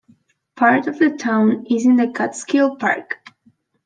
Part of the town is in the Catskill Park.